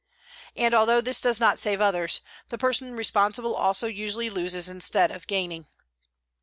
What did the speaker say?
And, although this does not save others, the person responsible also usually loses instead of gaining.